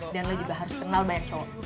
dan lo juga harus kenal bayar cowok